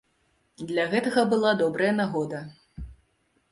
Для гэтага была добрая нагода.